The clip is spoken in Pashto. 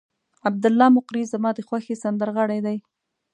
عبدالله مقری زما د خوښې سندرغاړی دی.